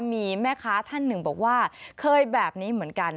มีแม่ค้าท่านหนึ่งบอกว่าเคยแบบนี้เหมือนกัน